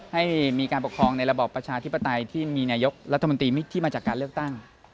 ให้มีการปกครองในระบอบประชาธิปไตยที่มีนายกรัฐมนตรีที่มาจากการเลือกตั้ง